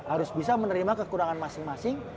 harus bisa menerima kekurangan masing masing